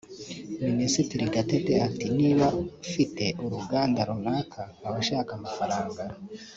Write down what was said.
Minisitiri Gatete ati “niba mfite uruganda runaka nkaba nshaka amafaranga